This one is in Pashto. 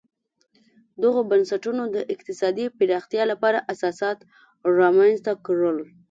دغو بنسټونو د اقتصادي پراختیا لپاره اساسات رامنځته کړل.